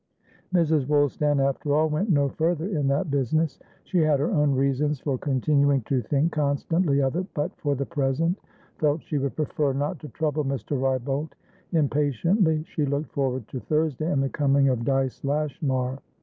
Mrs. Woolstan, after all, went no further in that business. She had her own reasons for continuing to think constantly of it, but for the present felt she would prefer not to trouble Mr. Wrybolt. Impatiently she looked forward to Thursday and the coming of Dyce Lashmar.